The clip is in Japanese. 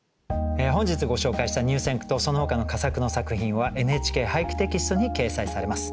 本日ご紹介した入選句とそのほかの佳作の作品は「ＮＨＫ俳句」テキストに掲載されます。